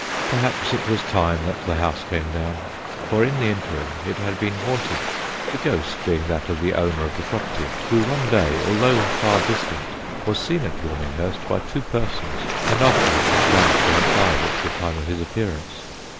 Perhaps it was time that the house came down, for in the interim it had been haunted; the ghost being that of the owner of the property, who one day, although far distant, was seen at Warminghurst by two persons and afterwards was found to have died at the time of his appearance.